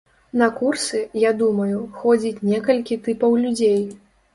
На курсы, я думаю, ходзіць некалькі тыпаў людзей.